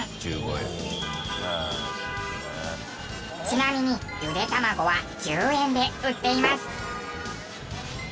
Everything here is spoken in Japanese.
ちなみにゆで卵は１０円で売っています。